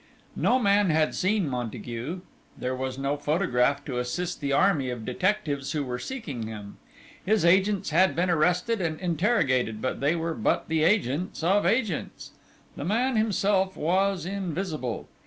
No man had seen Montague; there was no photograph to assist the army of detectives who were seeking him. His agents had been arrested and interrogated, but they were but the agents of agents. The man himself was invisible.